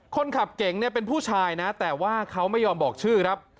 คนขับเก๋งเนี่ยเป็นผู้ชายนะแต่ว่าเขาไม่ยอมบอกชื่อครับ